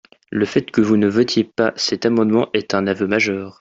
Le fait que vous ne votiez pas cet amendement est un aveu majeur.